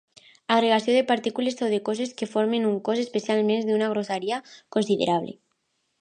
Agregació de partícules o de coses que formen un cos, especialment d'una grossària considerable.